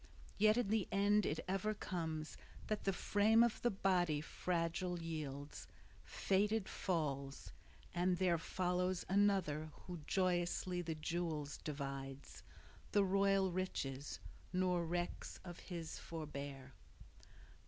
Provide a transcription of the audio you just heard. Yet in the end it ever comes that the frame of the body fragile yields, fated falls; and there follows another who joyously the jewels divides, the royal riches, nor recks of his forebear.